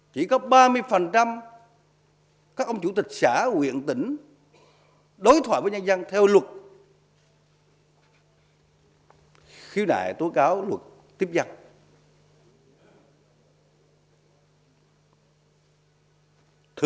điều bốn bạn có thể tham khảo những lực lượng tốt tốt